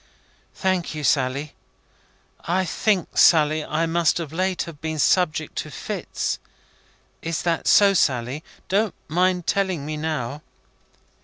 "Thank you, Sally. I think, Sally, I must of late have been subject to fits. Is that so, Sally? Don't mind telling me now."